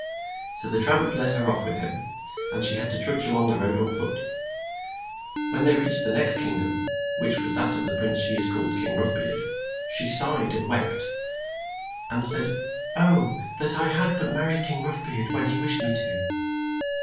So the tramp led her off with him, and she had to trudge a long the road on foot. When they reached the next king dom, which was that of the prince she had called King Rough Beard, she sighed and wept, and said, "Oh that I had but mar ried King Rough Beard when he wished me to!"